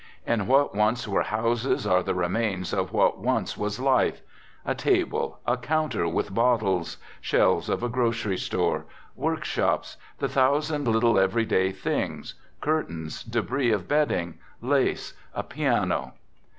In what once were houses, are the remains of what once was life : a table, a counter with bottles, shelves of a \ grocery store, workshops, the thousand little every f day things, curtains, debris of bedding, lace, a piano.